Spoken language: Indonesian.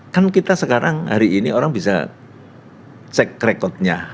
kan kita sekarang hari ini orang bisa cek rekodnya